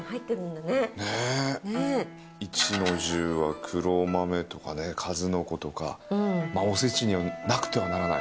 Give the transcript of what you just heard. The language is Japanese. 壱の重は黒豆とかね数の子とかまぁおせちにはなくてはならない。